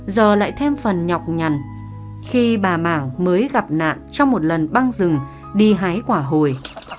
giờ lại thêm phần nhọc nhằn khi bà mảng mới gặp nạn trong một lần băng rừng đi hái quả hồi